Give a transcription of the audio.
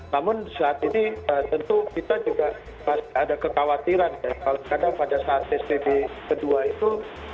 namun saat ini tentu kita juga masih ada kekhawatiran ya kalau kadang pada saat psbb kedua itu